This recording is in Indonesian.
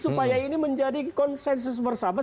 supaya ini menjadi konsensus bersama